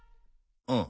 うん。